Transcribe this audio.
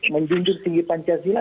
menjunjur singgih pancasila